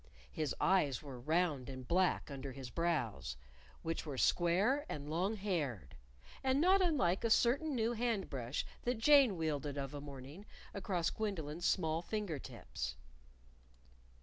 His eyes were round and black under his brows, which were square and long haired, and not unlike a certain new hand brush that Jane wielded of a morning across Gwendolyn's small finger tips.